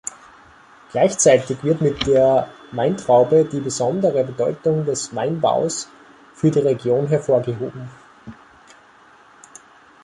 Gleichzeitig wird mit der Weintraube die besondere Bedeutung des Weinbaus für die Region hervorgehoben.